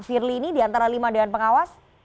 firly ini diantara lima dewan pengawas